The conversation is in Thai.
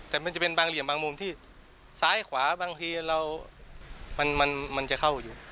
แต่มันจะเป็นบางเหลี่ยมบางมุมที่ซ้ายขวาบางทีเรามันจะเข้าอยู่